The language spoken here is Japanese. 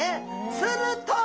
すると！